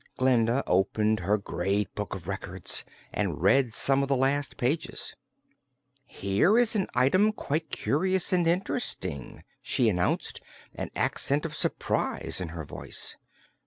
Glinda opened her Great Book of Records and read some of the last pages. "Here is an item quite curious and interesting," she announced, an accent of surprise in her voice.